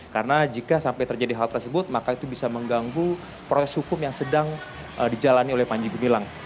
karena jika sampai terjadi hal tersebut maka itu bisa mengganggu proses hukum yang sedang dijalani oleh panji gumilang